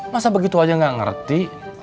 masa begitu aja gak ngerti